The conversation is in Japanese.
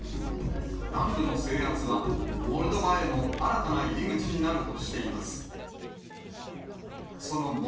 南部の制圧は、モルドバへの新たな入り口になるとしています。